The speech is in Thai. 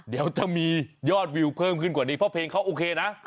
เดี๋ยวจะมียอดวิวเพิ่มขึ้นกว่านี้เพราะเพลงเขาโอเคนะ